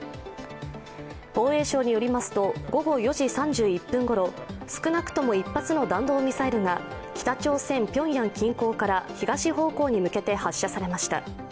防衛省によりますと午後４時３１分ごろ少なくとも１発の弾道ミサイルが北朝鮮ピョンヤン近郊から東方向に向けて発射されました。